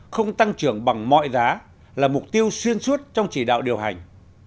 không tăng trưởng bằng mọi giá là mục tiêu xuyên suốt trong chỉ đạo điều hành